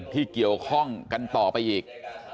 ที่เกี่ยวข้องกันต่อไปอีก